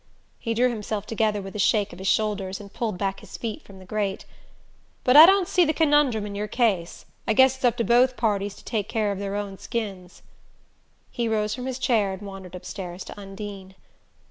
He drew himself together with a shake of his shoulders and pulled back his feet from the grate. "But I don't see the conundrum in your case, I guess it's up to both parties to take care of their own skins." He rose from his chair and wandered upstairs to Undine.